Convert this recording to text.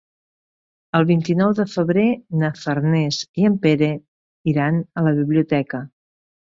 El vint-i-nou de febrer na Farners i en Pere iran a la biblioteca.